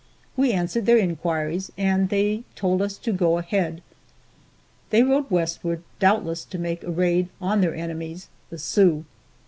We answered their inquiries, and they told us to go ahead. They rode westward, doubtless to make a raid on their enemies, the Sioux.